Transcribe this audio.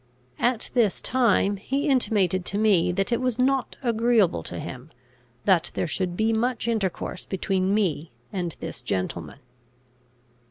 At this time he intimated to me that it was not agreeable to him, that there should be much intercourse between me and this gentleman.